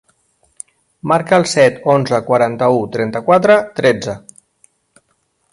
Marca el set, onze, quaranta-u, trenta-quatre, tretze.